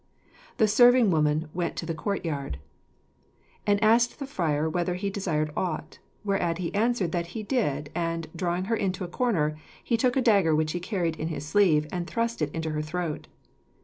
The serving woman went to the courtyard and asked the friar whether he desired aught, whereat he answered that he did, and, drawing her into a corner, he took a dagger which he carried in his sleeve, and thrust it into her throat.